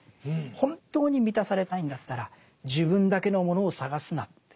本当に満たされたいんだったら自分だけのものを探すなって。